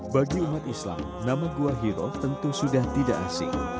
bagi umat islam nama gua hiro tentu sudah tidak asing